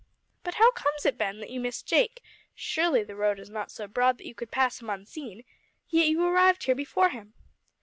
"But how comes it, Ben, that you missed Jake? Surely the road is not so broad that you could pass him unseen! Yet you arrived here before him?"